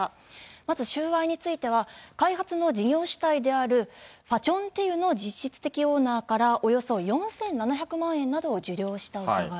まず収賄については、開発の事業主体であるファチョンテユの実質的オーナーから、およそ４７００万円などを受領した疑い。